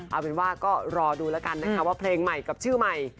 เอาเป็นว่าก็รอดูแล้วกันนะคะว่าเพลงใหม่กับชื่อใหม่